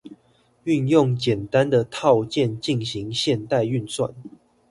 運用簡單的套件進行現代運算